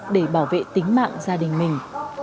để bảo vệ tính mạng gia đình mình